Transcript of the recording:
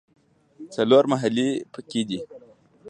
څلور محلې په کې دي.